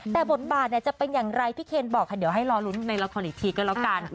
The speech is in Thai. แต่บทบาทจะเป็นอย่างไรพี่เคนบอกค่ะเดี๋ยวให้รอลุ้นในละครอีกทีก็แล้วกัน